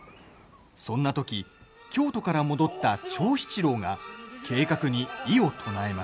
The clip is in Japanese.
そんなとき、京都から戻った長七郎が計画に異を唱えます。